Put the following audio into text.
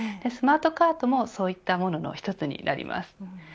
スマートカートもそういったものの一つです。